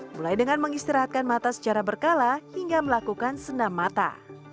mulai dengan mengistirahatkan mata secara berkala hingga melakukan senam mata